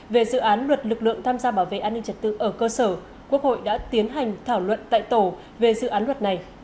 về dự án luật lực lượng tham gia bảo vệ an ninh trật tự ở cơ sở quốc hội đã tiến hành thảo luận tại tổ về dự án luật này